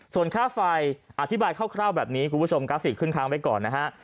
ส่วนค่าไฟอธิบายคร่าวแบบนี้คุณผู้ชมกราฟิกขึ้นค้างไว้ก่อนนะฮะ